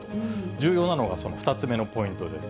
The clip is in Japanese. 重要なのが、その２つ目のポイントです。